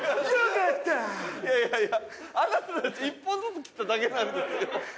いやいやいやあなたたち１本ずつ切っただけなんですよ。